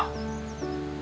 aku hanya tunggul yang tua